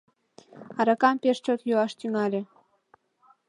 Аракам пеш чот йӱаш тӱҥале».